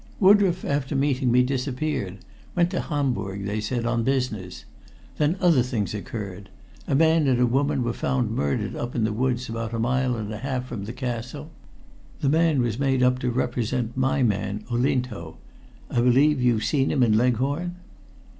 "Woodroffe, after meeting me, disappeared went to Hamburg, they said, on business. Then other things occurred. A man and woman were found murdered up in the wood about a mile and a half from the castle. The man was made up to represent my man Olinto I believe you've seen him in Leghorn?"